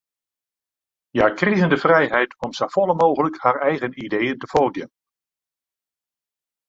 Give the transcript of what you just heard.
Hja krigen de frijheid om safolle mooglik har eigen ideeën te folgjen.